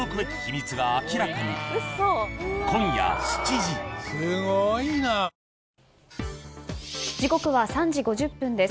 時刻は３時５０分です。